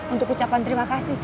untuk ucapan terima kasih